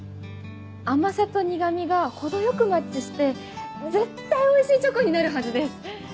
甘さと苦みが程よくマッチして絶対おいしいチョコになるはずです。